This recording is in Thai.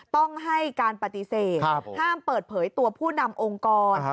ต้องให้การปฏิเสธห้ามเปิดเผยตัวผู้นำองค์กร